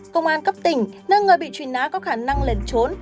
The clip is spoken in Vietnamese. công an cấp tỉnh nơi người bị trùy ná có khả năng lền trốn